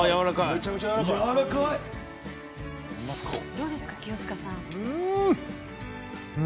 どうですか清塚さん。